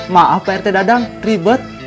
maaf pt dadang ribet